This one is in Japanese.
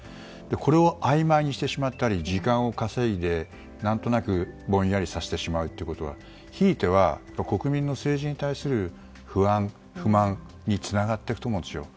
これをあいまいにしてしまったり時間を稼いで、何となくぼんやりさせてしまうのはひいては国民の政治に対する不安、不満につながっていくと思うんですよ。